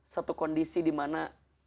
satu kondisi dimana